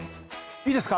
いいですか？